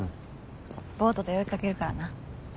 ボートで追いかけるからな。